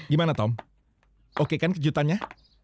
gimana tom oke kan kejutannya